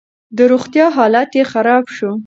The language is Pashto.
د روغتيا حالت يې خراب شو.